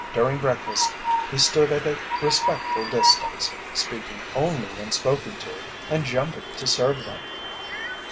During breakfast he stood at a respectful distance, speaking only when spoken to, and jumping to serve them.